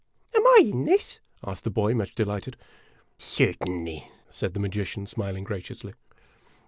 " Am I in this ?" asked the boy, much delighted. " Certainly," said the magician, smiling graciously.